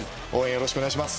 よろしくお願いします。